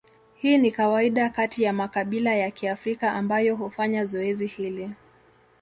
Hii ni kawaida kati ya makabila ya Kiafrika ambayo hufanya zoezi hili.